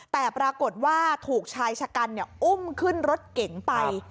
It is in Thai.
แต่ปรากฏว่าถูกชายชะกันอุ้มขึ้นรถเก๋งไป